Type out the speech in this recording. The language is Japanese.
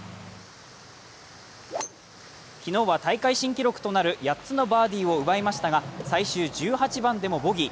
昨日は大会新記録となる８つのバーディーを奪いましたが、最終１８番でもボギー。